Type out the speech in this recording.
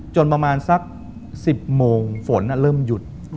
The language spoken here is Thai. ประมาณสัก๑๐โมงฝนเริ่มหยุด